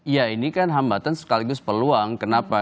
ya ini kan hambatan sekaligus peluang kenapa